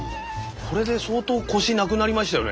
これで相当こしなくなりましたよね？